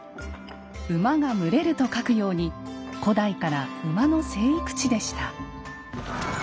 「馬が群れる」と書くように古代から馬の生育地でした。